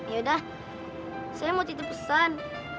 yaudah saya mau titip pesan